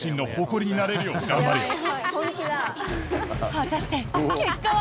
果たして結果は？